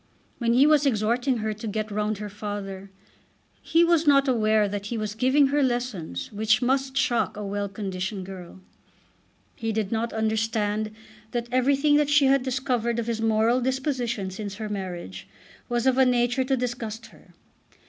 When he was exhorting her to "get round her father" he was not aware that he was giving her lessons which must shock a well conditioned girl. He did not understand that everything that she had discovered of his moral disposition since her marriage was of a nature to disgust her.